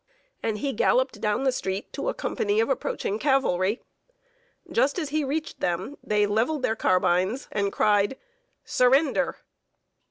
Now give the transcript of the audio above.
And he galloped down the street to a company of approaching cavalry. Just as he reached them, they leveled their carbines, and cried: "Surrender!"